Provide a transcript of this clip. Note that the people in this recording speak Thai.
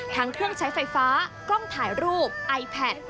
ทั้งเครื่องใช้ไฟฟ้ากล้องถ่ายรูปไอแพท